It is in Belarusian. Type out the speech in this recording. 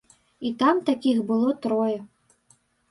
І там такіх было трое.